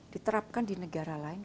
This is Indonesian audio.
diterapkan di negara lain